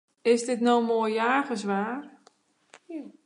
Is dit no moai jagerswaar?